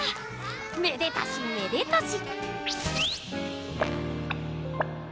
めでたしめでたし！